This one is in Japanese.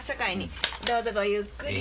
どうぞごゆっくり。